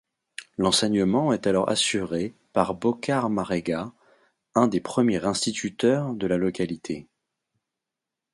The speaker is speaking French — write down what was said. L'enseignement est alors assuré par Bokar Marega, un des premiers instituteurs de la localité.